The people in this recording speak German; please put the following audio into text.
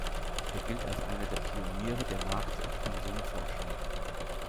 Er gilt als einer der Pioniere der Markt- und Konsumforschung.